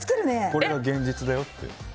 これが現実だよって。